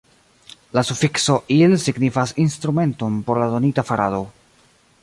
La sufikso « il » signifas instrumenton por la donita farado.